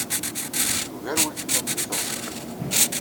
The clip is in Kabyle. Tugar weltma-m deg teɣzef.